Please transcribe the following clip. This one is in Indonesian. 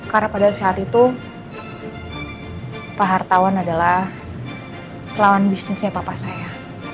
karena pada saat itu pak hartawan adalah pelawan bisnisnya papa saya